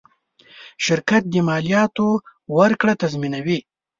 شرکت د مالیاتو ورکړه تضمینوي.